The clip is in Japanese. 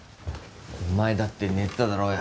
お前だって寝てただろうよ